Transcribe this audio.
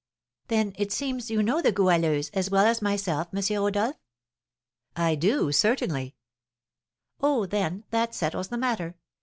Then it seems you know the Goualeuse as well as myself, M. Rodolph?" "I do, certainly." "Oh, then, that settles the matter!